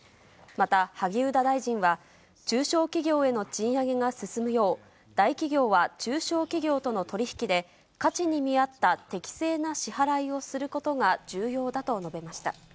また、萩生田大臣は、中小企業への賃上げが進むよう、大企業は中小企業との取り引きで価値に見合った適正な支払いをすることが重要だと述べました。